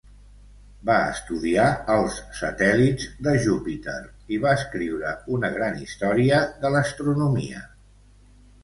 Va estudiar els satèl·lits de Júpiter i va escriure una gran Història de l'Astronomia.